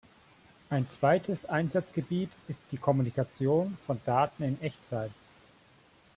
Ein zweites Einsatzgebiet ist die Kommunikation von Daten in Echtzeit.